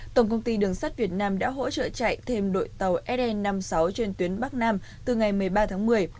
tổng công ty đường sắt việt nam đã hỗ trợ chạy thêm đội tàu se năm mươi sáu trên tuyến bắc nam từ ngày một mươi ba tháng một mươi